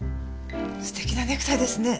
素敵なネクタイですね。